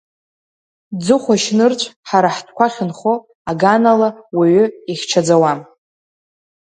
Ӡыхәашь нырцә, ҳара ҳтәқәа ахьынхо, аган ала уаҩы ихьчаӡауам.